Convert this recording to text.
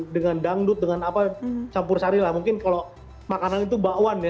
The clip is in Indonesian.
dengan dangdut dengan apa campur sari lah mungkin kalau makanan itu bakwan ya